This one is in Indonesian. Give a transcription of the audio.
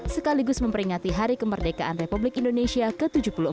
sekaligus memperingati hari kemerdekaan republik indonesia ke tujuh puluh empat